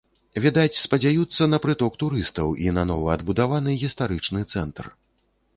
Відаць, спадзяюцца на прыток турыстаў у нанова адбудаваны гістарычны цэнтр.